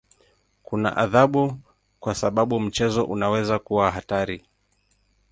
Kuna adhabu kwa sababu mchezo unaweza kuwa hatari.